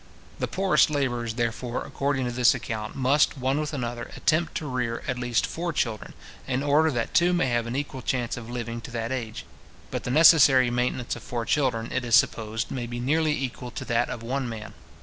The poorest labourers, therefore, according to this account, must, one with another, attempt to rear at least four children, in order that two may have an equal chance of living to that age. But the necessary maintenance of four children, it is supposed, may be nearly equal to that of one man.